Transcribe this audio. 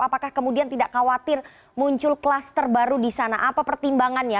apakah kemudian tidak khawatir muncul klaster baru di sana apa pertimbangannya